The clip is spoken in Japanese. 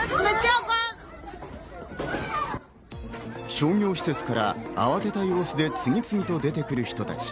商業施設から慌てた様子で次々と出てくる人たち。